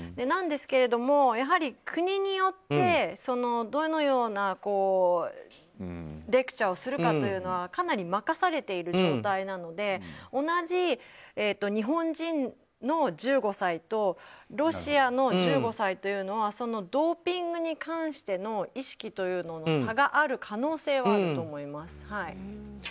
なんですけれどもやはり国によって、どのようなレクチャーをするかというのはかなり任されている状態なので同じ日本人の１５歳とロシアの１５歳というのはドーピングに関しての意識の差がある可能性はあると思います。